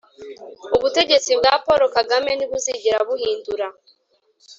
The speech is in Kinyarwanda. ubutegetsi bwa paul kagame ntibuzigera buhindura